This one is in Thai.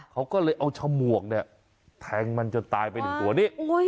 เขาก็เลยเอาชาวหมวกแทงมันจนตายไปถึงตัวนี้